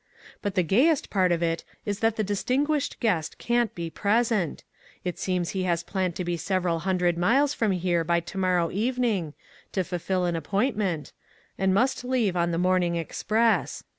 " But the gayest part of it is that the dis tinguished guest can't be present ; it seems he has planned to be several hundred miles from here by to morrow evening, to fulfil an appointment, and must leave on the morn ing express.